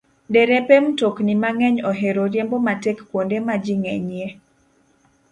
Derepe mtokni mang'eny ohero riembo matek kuonde ma ji ng'enyie.